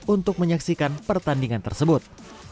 untuk menyaksikan pertandingan tersebut